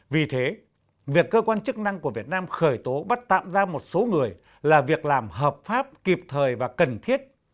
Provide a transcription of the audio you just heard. vì thế việc cơ quan chức năng của việt nam khởi tố bắt tạm ra một số người là việc làm hợp pháp kịp thời và cần thiết